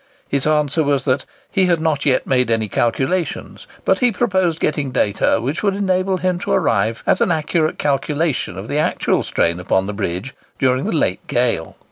His answer was, that "he had not yet made any calculations; but he proposed getting data which would enable him to arrive at an accurate calculation of the actual strain upon the bridge during the late gale.